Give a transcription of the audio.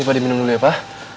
ini pada minum dulu ya pa